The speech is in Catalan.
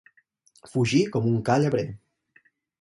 Fugir com un ca llebrer.